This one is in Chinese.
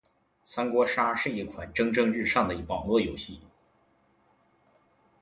三国杀是一款蒸蒸日上的网络游戏。